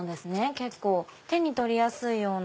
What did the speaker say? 結構手に取りやすいような。